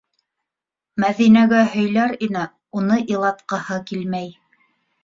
Мәҙинәгә һөйләр ине - уны илатҡыһы килмәй.